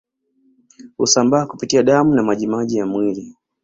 Husambaa kupitia damu na majimaji ya mwili